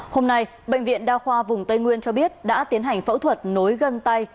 hôm nay bệnh viện đa khoa vùng tây nguyên cho biết đã tiến hành phẫu thuật nối gân tay